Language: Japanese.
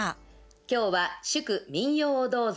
今日は祝「民謡をどうぞ」